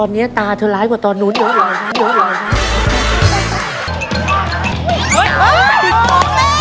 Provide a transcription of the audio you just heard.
อ๋อวิดีโอวิดีโอ